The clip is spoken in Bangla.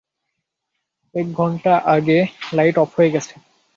এক ঘন্টা আগে লাইট অফ হয়ে গেছে।